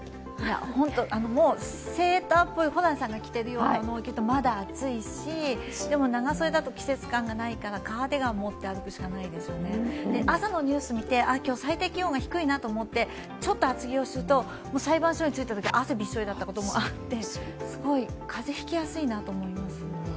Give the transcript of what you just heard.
セーターっぽい、ホランさんが着ているようなものだとまだ早いしでも長袖だと季節感がないからカーディガンを持って歩くしかないし朝のニュース見て、今日最低気温が低いなと思ってちょっと厚着をすると、裁判所に着いたときに汗びっしょりだったこともあってすごい、風邪ひきやすいなと思いました。